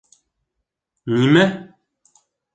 «Нимә?!»